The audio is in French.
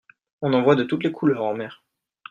On en voit de toutes les couleurs en mer.